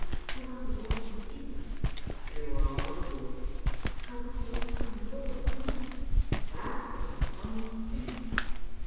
"How about the walls and ceiling?" "They were all of wood." "How about the locks on the door and windows?" "That was a funny thing.